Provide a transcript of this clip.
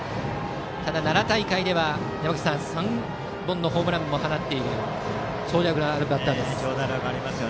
ただ奈良大会では３本のホームランも放っている長打力のあるバッターです。